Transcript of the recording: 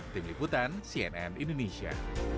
tim liputan cnn indonesia